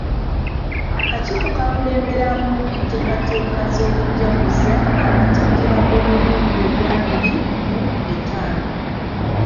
Akakiiko kakulemberemu enteekateeka z’okujaguza amatikkira ag’omulundi ogw'abiri mu etaano.